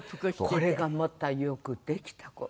これがまたよくできた子。